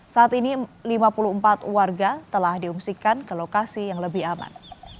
saat ini lima puluh empat warga telah diungsikan ke lokasi yang lebih aman